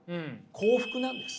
幸福なんです。